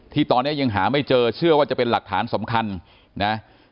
ที่ตอนนี้ยังหาไม่เจอเชื่อว่าจะเป็นหลักฐานสำคัญนะ